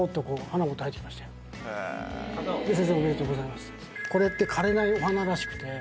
「先生おめでとうございます」。